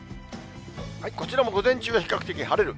こちらも午前中は比較的晴れる。